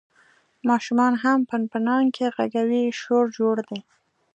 ماشومان هم پنپنانکي غږوي، شور جوړ دی.